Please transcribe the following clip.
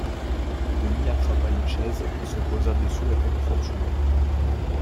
Denis attrapa une chaise, se posa dessus à califourchon